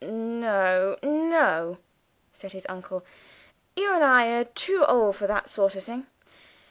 "No, no," said his uncle. "You and I are too old for that sort of thing.